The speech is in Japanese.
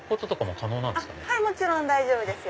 もちろん大丈夫です。